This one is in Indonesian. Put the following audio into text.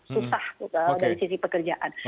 susah dari sisi pekerjaan